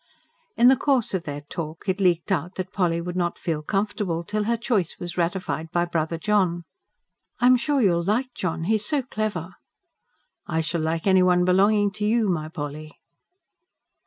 In the course of their talk it leaked out that Polly would not feel comfortable till her choice was ratified by brother John. "I'm sure you will like John; he is so clever." "I shall like everyone belonging to you, my Polly!"